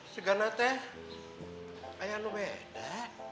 segana teh kayaknya beda